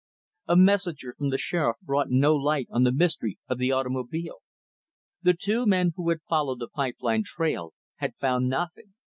A messenger from the Sheriff brought no light on the mystery of the automobile. The two men who had followed the pipe line trail had found nothing.